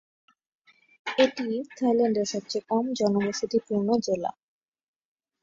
এটি থাইল্যান্ড এর সবচেয়ে কম জনবসতি পূর্ণ জেলা।